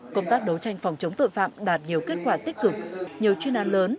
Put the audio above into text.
công tác đấu tranh phòng chống tội phạm đạt nhiều kết quả tích cực nhiều chuyên án lớn